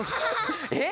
えっ？